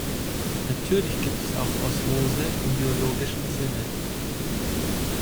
Natürlich gibt es auch Osmose im biologischen Sinne.